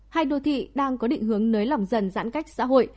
hai đô thị đang có định hướng nới lỏng dần giãn cách xã hội